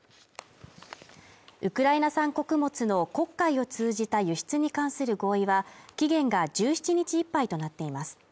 ウクライナ産穀物の黒海を通じた輸出に関する合意は期限が１７日いっぱいとなっています。